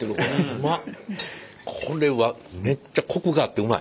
これはめっちゃコクがあってうまい。